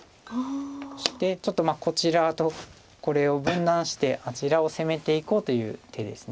そしてちょっとこちらとこれを分断してあちらを攻めていこうという手です。